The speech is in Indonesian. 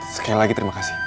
sekali lagi terima kasih